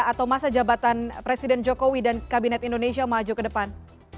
atau masa jabatan presiden jokowi dan kabinet indonesia maju ke depan